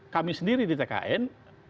kami sendiri di tkn